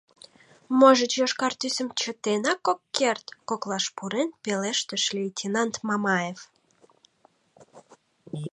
— Можыч, йошкар тӱсым чытенак ок керт? — коклаш пурен пелештыш лейтенант Мамаев.